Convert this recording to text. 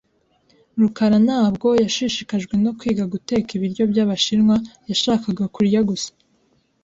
rukarantabwo yashishikajwe no kwiga guteka ibiryo byabashinwa. Yashakaga kurya gusa.